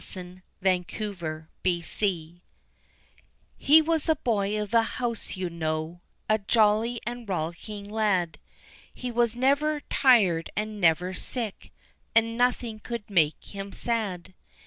The Boy of the House He was the boy of the house you know, A jolly and rollicking lad, He was never tired and never sick, And nothing could make him sad.